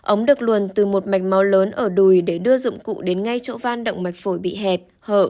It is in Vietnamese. ống được luồn từ một mạch máu lớn ở đùi để đưa dụng cụ đến ngay chỗ van động mạch phổi bị hẹp hợ